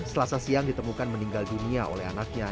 selasa siang ditemukan meninggal dunia oleh anaknya